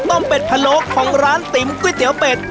เป็ดพะโล้ของร้านติ๋มก๋วยเตี๋ยวเป็ด